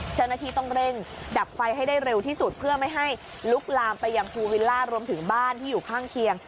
เจ้าหน้าที่ต้องเร่งดับไฟให้ได้เร็วที่สุดเพื่อไม่ให้ลุกลามไปยังภูวิลล่ารวมถึงบ้านที่อยู่ข้างเคียง